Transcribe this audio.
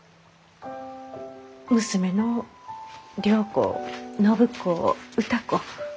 娘の良子暢子歌子。